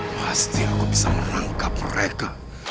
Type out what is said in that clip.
pasti aku bisa menangkap mereka